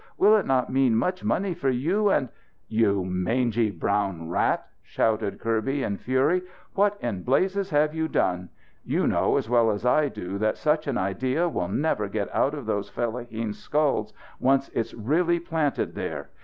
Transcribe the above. Will it not mean much money for you; and " "You mangy brown rat!" shouted Kirby in fury. "What in blazes have you done? You know, as well as I do, that such an idea will never get out of those fellaheens' skulls, once it's really planted there.